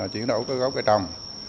chuyển đổi cơ cấu cây trầm